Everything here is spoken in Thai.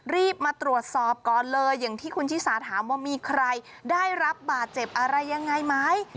รีบมาตรวจสอบก่อนเลยอย่างที่คุณชิสาถามว่ามีใครได้รับบาดเจ็บอะไรยังไงไหม